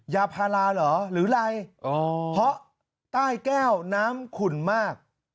ยาพาราเหรอหรือไรเพราะใต้แก้วน้ำขุ่นมาก